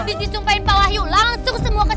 abis disumpahin pak wahyu langsung semua kesiaan